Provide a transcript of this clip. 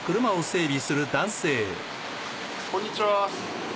こんにちは！